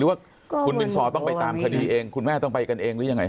ว่าคุณบินซอต้องไปตามคดีเองคุณแม่ต้องไปกันเองหรือยังไง